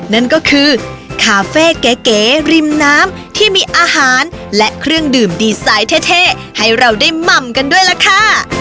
นั่นก็คือคาเฟ่เก๋ริมน้ำที่มีอาหารและเครื่องดื่มดีไซน์เท่ให้เราได้หม่ำกันด้วยล่ะค่ะ